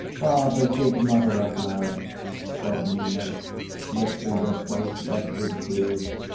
"Father, give mother a flower!" said Nina, lifting her face wet with tears.